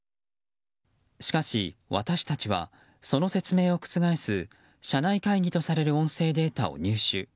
しかし、私たちはその説明を覆す社内会議とされる音声データを入手。